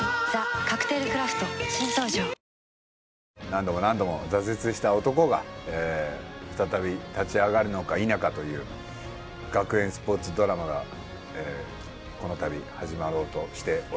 何度も何度も挫折した男が再び立ち上がるのか否かという学園スポーツドラマがこの度始まろうとしております。